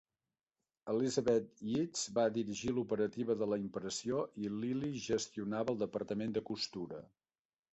Elizabeth Yeats va dirigir l'operativa de la impressió i Lily gestionava el departament de costura.